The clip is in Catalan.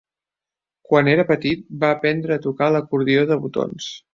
Quan era petit, va aprendre a tocar l'acordió de botons.